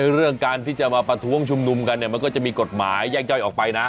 เรื่องการที่จะมาประท้วงชุมนุมกันเนี่ยมันก็จะมีกฎหมายแยกย่อยออกไปนะ